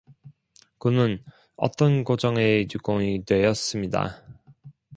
그는 어떤 공장의 직공이 되었습니다.